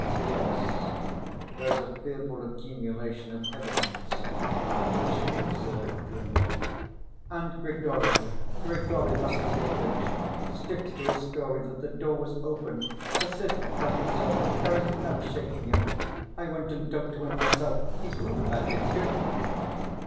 "Yes, there's a fearful accumulation of evidence," Alyosha observed grimly. "And Grigory—Grigory Vassilyevitch—sticks to his story that the door was open, persists that he saw it—there's no shaking him. I went and talked to him myself. He's rude about it, too."